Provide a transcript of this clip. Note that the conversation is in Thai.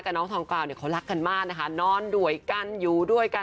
แต่น้องทองกาวเนี่ยเขารักกันมากนะคะนอนด้วยกันอยู่ด้วยกัน